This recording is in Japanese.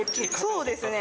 そうですね